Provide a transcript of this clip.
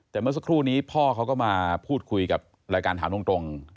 แต่เมื่อสักครู่นี้พ่อเขาก็มาพูดคุยกับรายการถามตรง